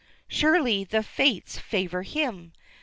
Surely the fates favor him.